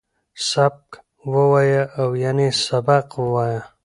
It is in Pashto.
سبک وویه ، یعنی سبق ووایه